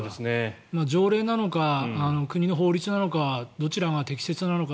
条例なのか、国の法律なのかどちらが適切なのか